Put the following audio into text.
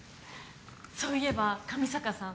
そういえば上坂さん